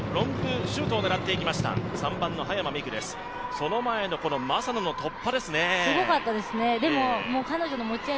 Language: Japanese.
その前の正野の突破ですね。